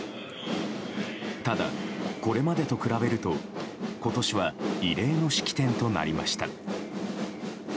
ただ、これまでと比べると今年は異例の式典となりました。